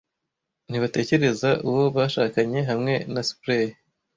Ntibatekereza uwo bashakanye hamwe na spray.